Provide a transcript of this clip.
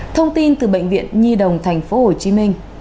thông tin từ bệnh viện nhi đồng tp hcm